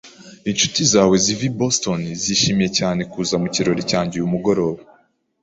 Inshuti zawe ziva i Boston zishimiye cyane kuza mu kirori cyanjye uyu mugoroba.